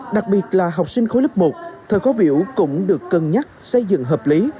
đặc biệt là học sinh khối lớp một thời khóa biểu cũng được cân nhắc xây dựng hợp lý